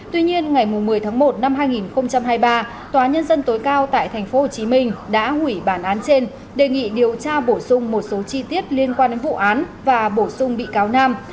tuy nhiên ngày một mươi tháng một năm hai nghìn hai mươi ba tòa nhân dân tối cao tại tp hcm đã hủy bản án trên đề nghị điều tra bổ sung một số chi tiết liên quan đến vụ án và bổ sung bị cáo nam